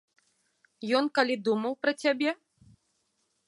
Ён калі думаў пра цябе?